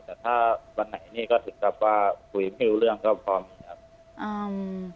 แต่ถ้าวันไหนนี่ก็ถึงกับว่าคุยไม่รู้เรื่องก็พอมีครับอ้าว